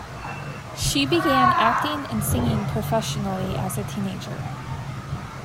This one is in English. She began acting and singing professionally as a teenager.